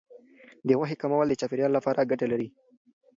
د غوښې کمول د چاپیریال لپاره ګټه لري.